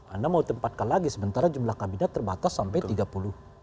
anda mau tempatkan lagi sementara jumlah kabinet terbatas sampai tiga puluh